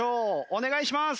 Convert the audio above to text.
お願いします！